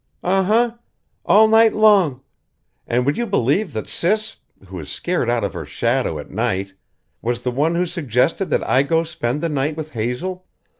"Uh huh! All night long. And would you believe that Sis who is scared of her shadow at night was the one who suggested that I go spend the night with Hazel?